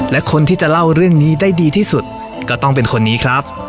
และคนที่จะเล่าเรื่องนี้ได้ดีที่สุดก็ต้องเป็นคนนี้ครับ